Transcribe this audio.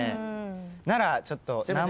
ならちょっと難問。